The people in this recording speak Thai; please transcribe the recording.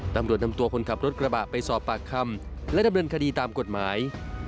ตำรวจนำตัวคนขับรถกระบะไปสอบปากคำและดำเนินคดีตามกฎหมาย